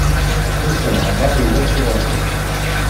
Musa ihdeṛ i wat Uɣrib.